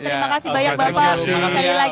terima kasih banyak bapak